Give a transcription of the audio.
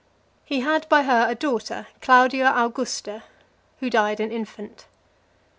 He had by her a daughter, Claudia Augusta, who died an infant.